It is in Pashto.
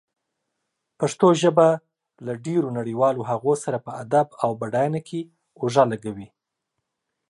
پښتو ژبه له ډېرو نړيوالو هغو سره په ادب او بډاینه کې اوږه لږوي.